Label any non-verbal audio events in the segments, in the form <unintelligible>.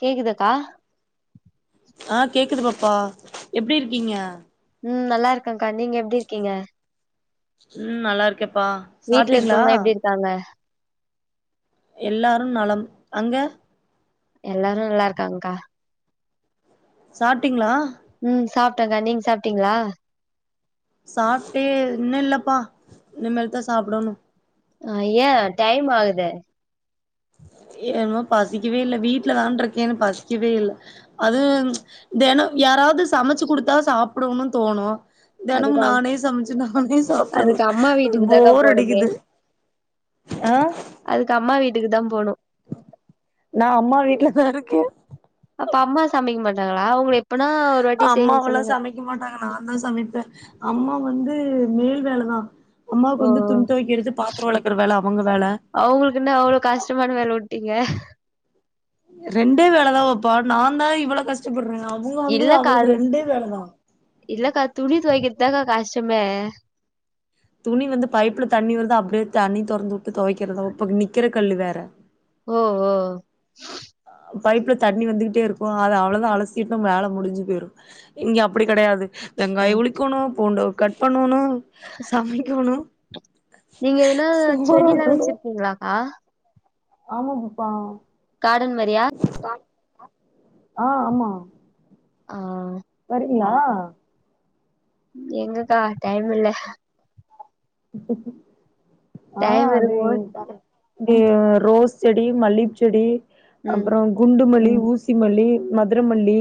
கேக்குதாக்கா ஆஹ் கேக்குது பாப்பா எப்டி இருக்கீங்க உம் நல்லா இருக்கங்க்கா நீங்க எப்டி இருக்கீங்க உம் நல்லா இருக்கே வீட்ல இருக்கவுங்க எப்டி இருக்காங்க எல்லாரும் நலம் அங்க எல்லாரு நல்லா இருக்காங்க்கா சாப்ட்டீங்ளா டங்க்கா நீங்க சாப்ட்டீங்ளா சாப்ட்டே இன்னு இல்லப்பா இனிமேல்தா சாப்டோனு ஐய டைம் ஆகுதே ஏனோ பசிக்கவே இல்ல வீட்டுலதான்ற இருக்கேன்னு பசிக்கவே இல்ல அதும் ப்ச் தெனம் யாராவது சமச்சு குடுத்தா சாப்டணும்னு தோணு தெனமு அதுக்கு அம் நானே சமைச்சு நானே சாப்டறது அதுக்கு அம்மா வீட்டுக்கு தாக்கா போர் போணுமே அடிக்குது ஆஹ் டுக்குதா போனு நா அம்மா வீட்லதா இருக்கேன் அப்ப அம்மா சமைக்க மாட்டாங்ளா உங்களை அம்மாவல்லா சமைக்க மாட்டாங்க நான்தா சமைப்ப அம்மா வந்து மேல் வேலதா ஓ அம்மாக்கு வந்து துணி துவைக்கிறது பாத்திறோ வெளக்குற வேல அவுங்க வேல எங்க ரெண்டே வேலதா வெப்பா நாந்தா இவ்வளோ கஸ்டப்பட்ற இல்லக்கா அது இல்லக்கா துணி தொவைக்கெற் தாக்கா கஷ்டமே துணி வந்து பைப்புல தண்ணி வருது அப்டியே தண்ணி தொறந்து உட்டு தொவைக்கிறதா உ ப நிக்கெற கல்லு வேற ஓ ஓ பைப்புல தண்ணி வந்துக்கிட்டே இருக்கு அத அவ்ளோதா அலசிட்னா வேல முடிஞ்சு போயிரு இங்க அப்டி கடையாது ஆ வெங்காயோ உளிக்கோணு பூண்ட கட் பண்னோனு சமைக்கோணு நீங்க எதுனா செடிலா சோறாக்கணு வச்சிருக்கீங்களாக்கா ஆமாம் பாப்பா காடன் மாரியா ஆ ஆமா ஆ வரீங்களா எங்கக்கா டயம் இல்ல டைம் இருக்கமோது டி ரோஸ் செடி மல்லிப்பு செடி ம் அப்பறோ குண்டுமல்லி ஊசி மல்லி மதுர மல்லி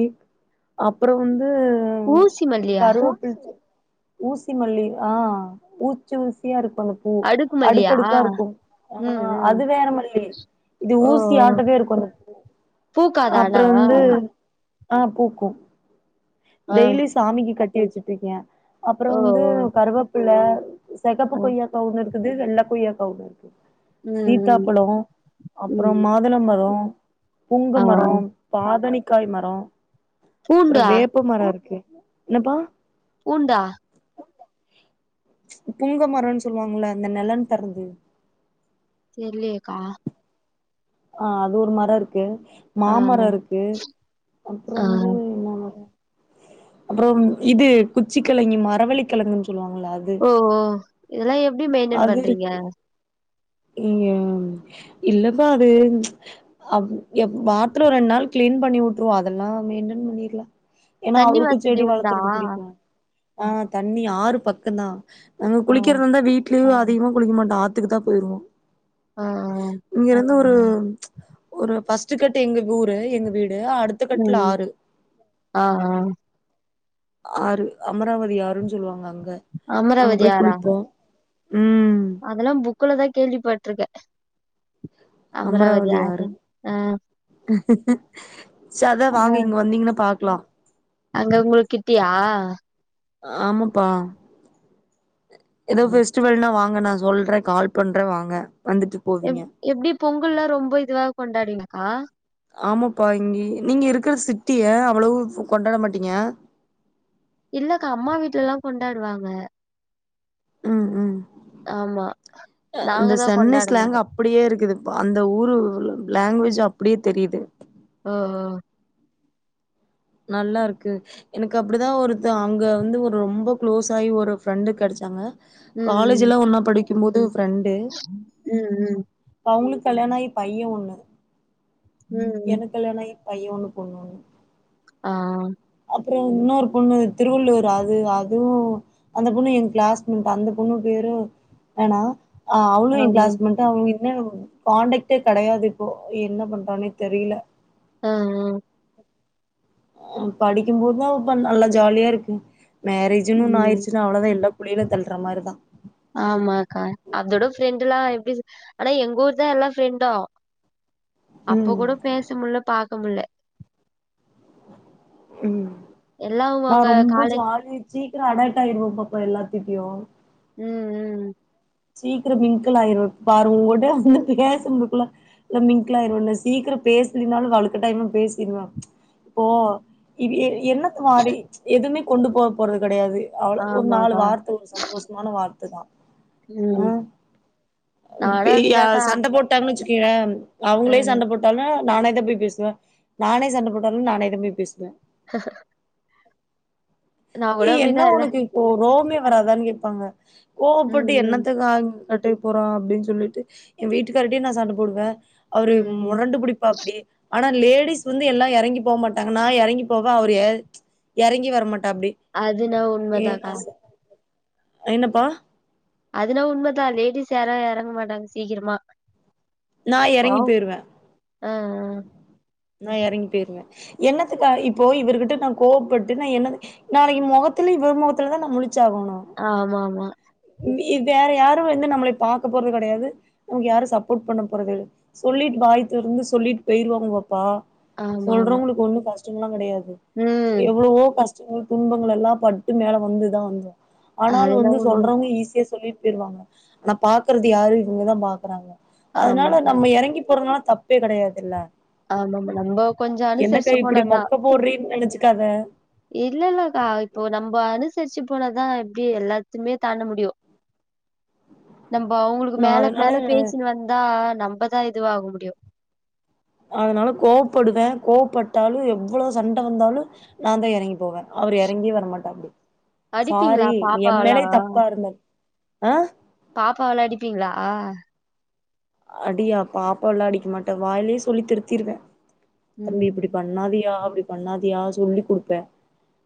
அப்பறோ வந் ஊசிமல்லியா ஊசிமல்லி ஆ ஊ சிஊசியா இருக் <unintelligible> பூ அடுக்கு மல்லியா அடுக்கடுக்காருக்கு ம் ஆ ம் அது வேறமல்லி இது ஓ ஓ ஊசியாட்டக்கே இருக்கு அந்த பூ பூக்காதா ஆனா அப்பறொ வந்து ஆ பூக்கு ஆ டெய்லி சாமிக்கி கட் வெச்சிட்ருக்க அப்பறோ ஓ ஓ வந்து கருவப்புல்ல செகப்பு ஆ கொய்யாக்கா ஒன்னுருக் குது வெள்ள கொய்யாக்கா ஒன்னு இருக்கு ம் ம் சீத்தாப்பழொ அப்பறொ ம் மாதுளம் மரோ புங்க ஆ மரோ பாதனிக்காய் மரோ பூண்டா க்கு என்னப்பா பூண்டா புங்க மரன்னு சொல்லுவாங்கள இந்த நிலழ் தறது தெர்லயேகா ஆஹ் அது ஒரு மரோ இருக்கு ஆ மாமரோ இருக்கு அப்பறோ ஆ வந்து என்ன மரோ அப்பறம் இது குச்சி கிழங்கி மறவழி கிழங்கு ஓஓ இதெல்லாம் எப்படி மெயின்டென் பண்றீங்க இய்யோ இல்லப்பா அது பாத்ரூ ரெண்டு நாள் கிளீன் பண்ணி விட்டுருவோ அதெல்லாம் மெயின்டென் பண்ணிடலாம் ஏன்னா தண்ணி அவருக்கும் வசதி செடி உண்டா வளர்த்துறது ஆ பிடிக்கு ஆஹ் தண்ணி ஆறு பக்கம் தான் அங்க ஆ குழிக்கிறதாயிருந்தா வீட் லீவ் அதிகமா குளிக்கமாட்டான் ஆத்துக்கு தான் போயிருவோம் ஆ இங்க ஒரு ஒரு ஃபஸ்ட்டு கட்டு எங்க ஊரு எங்க வீடு அடுத்த கட்டுல உம் ஆறு ஆஹ் ஆஹ் ஆறு அமராவதி ஆருன்னு சொல்லுவாங்க அங் அமராவதி ஆறா ம் அதெல்லா புக்குலதான் கேள்விப்பட்டுருக்கேன் அமராாவதி ஆறு அஹ் <inaudible> ச் அதான் வாங்கயிங்க வந்தீங்கன்னா பாக் லாம் <unintelligible> அங்க உங்க கிட்டியா ஆமாப்பா ஏதோ பெஃஸ்டிவல் வாங் ங்க நான் சொல்றே கால் பண்றே வாங்க வந்துட்டு எ போவீங்க எப்டி பொங்கல் எல்லாம் ரொம்ப இதுவா கொண்டாடுவீங்களா பா இங்க நீங்க இருக்கிற சிட்டிய அவ்வளவு கொண்டாட மாட்டீங்க இல்லக்கா அம்மா வீட்டு்ல லாம் கொண்டாடுவாங்க ம் ம் ஆமா நாங்க இந்த தா சென்னை கொண்டாட ஸ்லாங் மாட்டோ அப்படியே இருக்குது அந்த ஊரு லேங்குவேஜ் அப்படியே தெரியிது ஓ ஓ நல்லா இருக்கு எனக்கு அப்படிதான் ஒருத்தன் அங்க வந்து ஒரு ரொம்ப க்ளோஸ் ஆயி ஒரு ஃப்ரெண்டு கிடைச்சாங்க ம் காலேஜ்லாம் ஒன்னா படிக் <unintelligible> ஃபிரெண்ட்டு ம் ம் அவங்களுக்கு கல்யாணோ ஆயி பையன் ஒண்ணு ம் ம் ம் எனக்கல்யண ஆய் பைய ஒனு பொண்ணு ஒன்னு ஆஹ் அப்றோ இன்னொரு பொண்ணு திருவள்ளூர் அது அதுவு அந்த பொண்ணு எங்க கிளாஸ்மேட் அந்த பொண்ணு பேரு என்னனா ஆஹ் அவளு ஆ என் கிாஸ்மேட் தா <unintelligible> காண்டக்ட்டே கிடையாது இப்போ என்ன பண்றானே தெரில ஹ் ஹம் உஹ் படிக்கும்போதுதா இப்ப நல்லா ஜாலியா இருக் மேரேஜ்னு ஒன்னு ம் அய்டுச்னா அவ்ளதா எல்லா குழில தள்டறமாரிதா ஆமாக்கா அதோட ஃப்ரெண்டுல்லா எப்டி ஆனா எங்க ஊர் தா எல்லா ஃப்ரெண்டு அப்போ ம் கூட பேச முடில பா முள்ள உம் <unintelligible> நா ரொம்ப காலே ஜாலி சீக்கிர அடல்ட் ஆயிருவ பாப்பா எல்லாத் <unintelligible> உம் உம் சீக்ரமிங்கள் ஆயருவோ <inaudible> மிங்ளாயிருவோம் சீக்ரம் பேஸ்லனாலும் வலுக்கட்டாயமா பேசிர்வ இப்போ என்னத் மாரி எதையுமே கொண்டுபோப்போரது கடையாது அவ்வள ஒரு நாலு ஆமாக்கா வார்த ஒரு சந்தோஷமான வார்த இதுதா ம் உஹம் நானு அப்டிதாக்கா <unintelligible> சண்டை போட்டாங்கு வச் கீழ அ அவங்ளே சண்டை போட்டாங்க நானே தா போய் பேசுவ நானே சண்டை போட்டாலு நானே தா போய் பேசுவ <unintelligible> நா ஏ கூட என்ன அப்டிதா எல்லா உனக்கு இப்போ றோ அதுவுமே வராதான் கேட்பாங்க கோப்பட்டு ம் ம் என்னத்துக்க <unintelligible> அட்டைக்கு போற அப்டின் சொல்ட்டு என் வீட்டுக்கார்ட்டையு நா சண்ட போடுவ அவரு ம் ம் முரண்டு பிடிப்பா அப்டி ஆனா லேடிஸ் வந்து எல்லா எறங்கி போ மாட்டாங்க நா எறங்கி போவ அவர் எறங்கி வரமாட்ட அப்டி அதுனா உண்மதாக்கா என்னப்பா அதுனா உண்மைதா லேடிஸ் யாரும் எறங்க மாட்டாங் சீக்ரமா நா எறங்கி போயிருவ ஆஹ் ஆஹ் நா எறங்கி போயிருவ என்னத்துக்க இப்போ இவர்கிட்ட நா கோவப்பட்டு நா என்ன நாளைக்கு முகத்துல இவர் முகத்துல தா நா முலிச் ஆமா ஆமா நீ வேறு யாரு வந்து நம்மள பாக்க போறது கெடையாது நமக்கு யாரு சப்போர்ட் பண்ண போறது சொல்லிட்டு வாய் தொறந்து சொல்லிட்டு போயிருவாங்கொப்பா ஆமாமா. சொல்றவங்களுக்கு ஒண்ணும் கஷ்டமெல்லாம் கெடையாது ம். எவ்ளவோ கஷ் துன்பங்கள்ல்லா பட்டு மேல வந்துதா வந்தோ ஆனாலு அதுனா வந்து சொல்றவங்க உண்மதான். ஈஸியா சொல்லிட்டு போயிருவாங்க ஆனா பாக்குறது யாரு இவங்கதா பாக்குறாங்க அதனால ஆமாமா. நம்ம எறங்கி போறதுனால தப் தப்பே கெடையாதில்ல ஆமாமா நம்ம கொஞ்ச அனுசரிச்சு போனாதா கத இல்லல்லக்கா இப்போ நம்ம அனுசரிச்சுப் போனதா எப்டி எல்லாத்துமே தாண்ட முடியு நம்ம அவங்களுக்கு நா மேல அதனால மேல பேசினு வந்தா நம் அப்பதா இதுவாக முடியு அதனால கோவப்படுவே கோவப்பட்டாலு எவ்ளோ சண்ட வந்தாலு நாந்தா எறங்கி போவே அவரு எறங்கி வரமாட்டாபிடி அடிப்பீங்களா சாரி எம் மேலே தப்பா இருந்தா ஆஹ் பாப்பாவெல்லா அடிப்பீங்களாஹ் அடியா பாப்பால்லா அடிக்க மாட்டே வாயிலயே சொல்லி திருத்திருவே தம்பி இப்பிடி ம். பண்ணாதியா அப்பிடி பண்ணாதியா சொல்லி் கொடுப்பே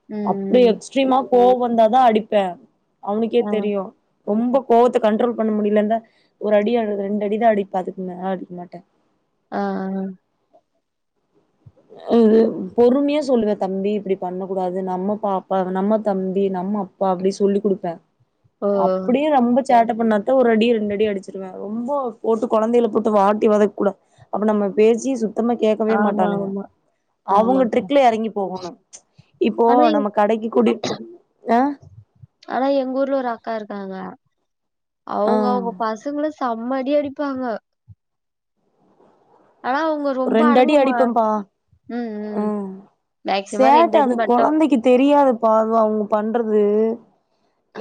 ம். அப்டி ம். எக்ஸ்ட்ரீமா கோவ வந்தாதா அடிப்பே அவனுக்கே ஆ. தெரியு ரொம்ப கோவத்தை கண்ட்ரோல் பண்ண முடியலந்தா ஒரு அடி அல்லது ரெண்டு அடி தா அடிப் பதுக்கு மேல அடிக்க மாட்டே ஆஹ் ஆஹ் அ பொறுமையா சொல்லுவேன் தம்பி இப்பிடி பண்ண கூடாது நம்ம பாப்பா நம்ம தம்பி நம்ம அப்பா அப்பிடி சொல்லி் குடுப்பே ஓ! அப்பிடியே ரொம்பத் சேட்டை பண்ணாத்த ஒரு அடி ரெண்டு அடி அடிச்சிருவே ரொம்ப போட்டு கொழந்தையில போட்டு வாட்டி வதக்க கூட அப்ப நம்ம பேச்சி சுத் சுத்தமா கேட்கவே மாட்டானுங்க ஆமாமா. அவங்க ஆமாங்க. ட்ரிக்ல எறங்கி போகணு இப்போ ஆனா எங் நம்ம கடைக்கு <unintelligible> கூட்டி அஹ் அஹ்ஹா அவுங்க அவுங்க பசங்களு சாப் செம்ம அடி அடிப்பாங்க ஆனா அவங்க ரொம்ப ரெண்டு அடி அடங்குமா அடிப்போம்பா ம், ம். உம் மேக்ஸிமம் சேட்ட அடி அது மட்டும். கொழந்தைக்கு தெரியாது பா அவுங் பண்றது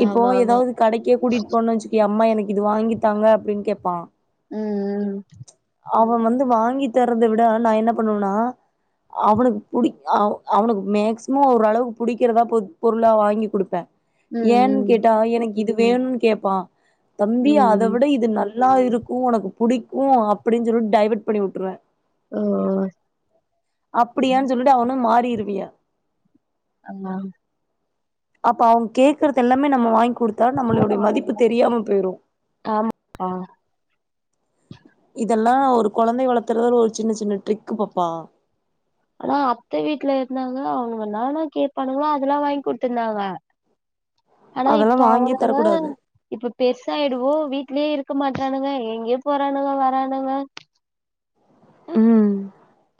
இப்போ ஆமாமா. ஏதாவது கடைக்கே கூட்டிட்டு போனுனு வச்சுக்கேயேன் அம்மா எனக்கு இது வாங்கித்தாங்க அப்படின்னு கேப்பான் ம், அவன் வந்து வாங்கி தெறத்த விட நான் என்ன பண்ணுவேனா அவனுக்கு புடி அவனுக் அவ அவனுக்கு மேக்சிமம் ஓரளவுக்கு புடிக்கிறதா பொ பொருளா வாங்கி குடுப்பேன் ம். ம், ஏன்னு ம். கேட்டா எனக்கு இது வேணும்னு கேப்பான் ம். தம்பி அத ம். விட இது நல் எல்லாம் இருக்கும் உனக்கு புடிக்கும் அப்படின்னு சொல்லிட்டு டைவர்ட் பண்ணி வுட்டுறுவேன் ஓ! அப்படியான்னு சொல்லிட்டு அவனும் மாறி திருவியா ஆமா அப்ப அவங்க கேக்குறது எல்லாமே நம்ம வாங்கி கொடுத்தா நம்மளுடைய மதிப்பு தெரியாம போயிடும் ஆமாக்கா. இதெல்லாம் ஒரு கொழந்தை வளத்துறதல ஒரு சின்ன சின்ன ட்ரிக்கு பாப்பா ஆனா அத்த வீட்டுல இருந்தாங்க அவங்க என்னென்ன கேட்பாங்களே அதெல்லாம் வாங்கி குடுத்திருந்தாங்க ஆனா அதெல்லா இப்ப வாங்கியே அவனுங்க தரக்கூடாது இப்ப பெருசாயிடுவோம் வீட்லயே இரு இருக்க மாட்டானுங்க எங்கே போறானுங்க வரானுங்க ம்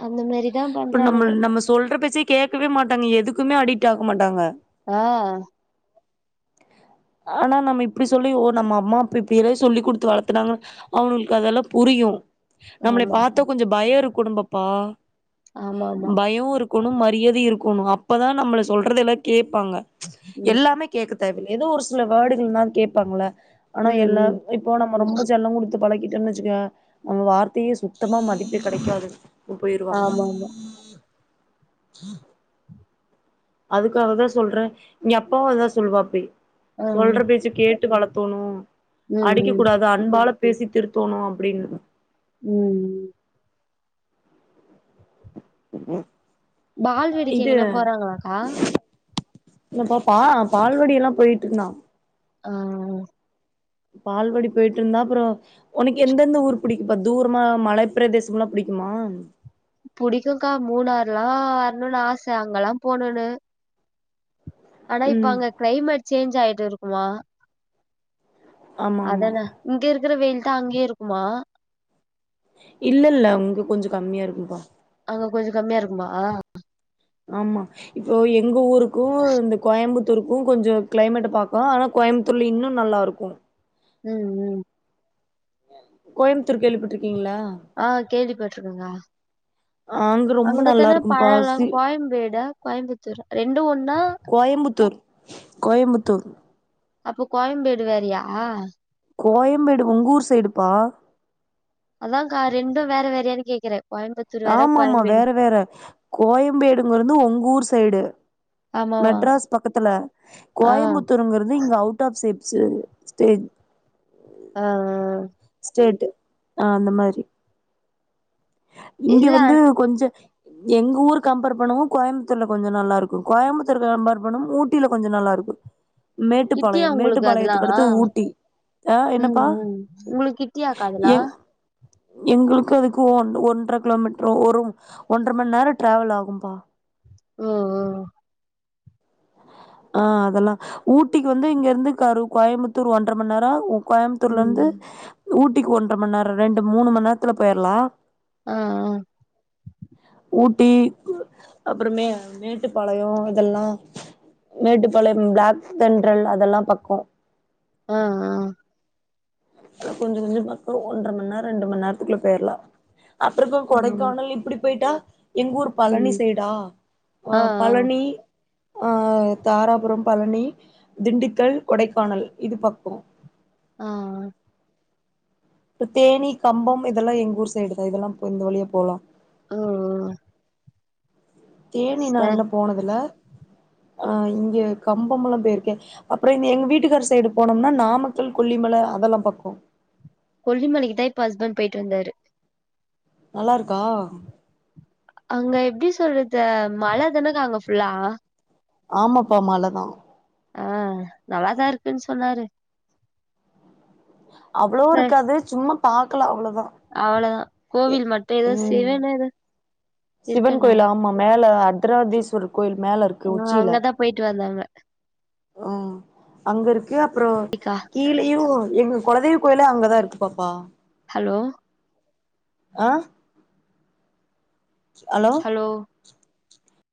அந்த மாரி தான் இப்ப நம்ம பண்றானுங்க. நம்ம சொல்ற பேச்சை கேட்கவே மாட்டாங்க எதுக்குமே அடிக்ட் ஆக மாட்டாங்க ஆஹ் ஆனா நம்ம இப்படி சொல்லி ஓ நம்ம அம்மா அப்பவே இப்படி சொல்லி கொடுத்து வளர்த்துனாங்க அவங்களுக்கு அதெல்லாம் புரியும் நம்மளை ஆமா. பாத்தா கொஞ்சம் பயம் இருக்கும் குடும்பப்பா ஆமா ஆமா பயம் இருக்கணும் மரியாதை இருக்கும் ணும் அப்பதான் நம்ம சொல்றதல்ல கேப் கேப்பாங்க ம் எல்லாமே கேட்க தேவ ஏதோ ஒரு <unintelligible> சில வர்டுகள்ளாம் கேட்பாங்கள ஆனா ம் எல்லாம் ம் இப்போ நம்ம ரொம்ப செல்லம் குடுத்து பழக்கிட்டே வச்சுக்க நம்ம வார்த்தையெ சுத்தமா மதிக் விட்டு கெடைக்காது போயிருவாங்க ஆமா ஆமா உஹ <inaudible> அதுக்காகதான் சொல்றேன் இங்க அப்பாவும் அதான் சொல்லுவாப்படி ஆ சொல்ற பேச்சு கேட்டு வளத்து <unintelligible> ம் அடிக்க ம் கூடாது அன்பால பேசி திருத்தோணு அப்டின்னு ம் ம் பால்வடிக்கி எங்கன்னா போறாங்களாக்கா இல்லப்பா பா பால்வடி எல்லா போயிட்டுருந்தா அ பால்வடி போயிட்டுருந்தா அப்புறோ உனக்கு எந்தெந்த ஊர் பிடிக்குப்ப தூரமா மலை பிரதேசம் ல்லா பிடிக்குமா புடிக்குக்கா மூணுாறுலா வரணுன்னு ஆச அங்கல்லா போணுனு ஆனா இப்ப ம் அங்க கிளைமேட் சேஞ்ச் ஆயிட்டு இருக் வா ஆமா ஆமா அதெல்லா இங்க இருக்கிற வெயில் தா அங்யு இருக்குமா இல்ல இல்ல இங்க கொஞ்ச கம்யா இருக்குப்பா அங்க கொஞ்சோ கம்மியா இருக்குமா ஆமா இப்போ எ ங்க ஊருக்கு இந்த கோயம்புத் தூருக்கு கொஞ்ச கிளைமேட் பாக்க ஆனா கோய்ம்ப்த்தூர்ல இன்னு நல்லாருக்கு ம் ம் கோய்ம்ப்த்தூர் கேள்விப்பட்டுரு அ கேள்விப்பட்டுருக்கங்க அங்க ரொம்ப நல்லா அங்கதானே இருக்கும்பா பழலா சி கோயம்பேடா கோயம்புத்தூரா ரெண்டு ஒண்ணா கோயம்புத்தூர் கோயம்புத்தூர் அப்போ கோயம்பேடு வேறியா கோயம்பேடு உங்க ஊர் சைடுப்பா அதான்க்கா ரெண்டு வேற வேறையான்னு கேக்குறே ஆமா ஆமா வேற வேற கோயம்பேடுங்றது உங்க ஊர் சை சைடு ஆமாமா மெட்ராஸ் பக்கத்துல ஆ கோயம்புத்தூருங்கிறது இங்க அவுட் ஆஃப் <unintelligible> <unintelligible> அ அ ஸ்டேட்டு அ அந்த மாரி இங்க இல்ல வந்து கொஞ்ச எங்க ஊரு கம்பேர் பண்ணவு கோய்ம்ப்த்தூர்ல கொஞ்சோ நல்லாருக்கு கோய்ம்பத்தூருக்கு கம்பேர் பண்ணவு ஊட்டில கொஞ்சோ நல்லாருக்கு கிட்டியா மேட்டுப்பாளையம் உங்களுக்கு அதெல்லா மேட்டுப்பாளையத்துக்கு அடுத்து ஊட்டி அ ம் என்னப்பா ம் உங்களுக்கு கிட்டியாக்கா அதெல்லா எங் எங்களுக்கு அதுக்கு ஒன் ஒன்ற கிலோமீட்டரு ஒரு ஒன்ற மண் நேர டிரவல் ஆகும்பா ம் ம் அ அதெல்லா ஊட்டிக்கு வந்து இங்க இருந்து கரு கோயம்புத்தூர் ஒன்ற மண் நேர ஆவு கோய்ம்ப்த்தூர்ல இருந்து ம் ஊட்டிக்கு ஒன்ற மண் நேரம் ரெண்டு மூணு மண் நேரத்துல போயிரலாம் ஆஹ்அஹ் ஊட்டி அப்பறமே மேட்டுப்பாளையம் இதெல்லா மேட்டுப்பாளையம் பிளாக் தென்றல் அதெல்லாம் பக்கோ ஆஹ் ஆஹ் ஆ கொஞ்சோ கொஞ்சோ பக்கம் ஒன்ற மண் நேரம் ரெண்டு மண் நேரத்துக்குள்ள போயிறலாம் அப்பறக்கும் ஆ ஆ கொடைக்கானல் இப்படி போயிட்டா எங்க ஊர் பழனி ம் சைடா ஆ ஆ அஹ் பழனி ஆஹ் ஆஹ் தாராபுரம் பழனி திண்டுக்கல் கொடைக்கானல் இது பக்கோ ஆஹ் ஆஹ் இப்ப தேனி கம்பம் இதெல்லாம் எங்க ஊர் சைடு தான் இதெல்லாம் இப்ப இந்த வழியா போலாம் அஹ்அஹ் தேனி நா இன்னு போனதில்ல ஆஹ் இங்கே கம்பமெல்லாம் போயிருக்கே அப்பறோ இந்த எங்க வீட்டுக்கார சைடு போனோம்னா நாமக்கல் கொல்லிமலை அதெல்லாம் பக்கோம் கொல்லிமலைக்குத் தான் இப்ப ஹஸ்பண்ட் போயிட்டுந்தாரு நல்லா இருக்கா அங்க எப்டி சொல்றது மல தானக்கா அங்க ஃபுல்லா ஆமாப்பா மல தான் ஆஹ் நல்லாத்தான் இருக்குன்னு சொன்னாரு அவ்வளவா இருக்காது சும்மா பாக் க்கலா அவ்வளோக் அவ்வளோ தான் கோவில் மட்டும் ஏதோ ம் சிவன் ஏதோ இருக்குன்னாங்க த்ராதீஸ்வர் ஆஹ் அங்கதான் போயிட்டு வந்தாங்க ம் அங்க இருக்கு அப்பறோ க்கா கீழயு எங்க கொலதெய்வக் கோயிலே அங்கதான் இருக்கு பாப்பா ஹலோ ஆஹ் அலோ ஹலோ